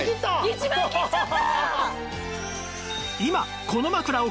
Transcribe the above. １万円切っちゃった！